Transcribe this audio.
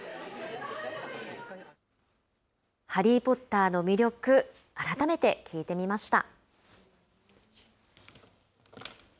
ハリー・ポッターの魅力、改めて聞いてみました。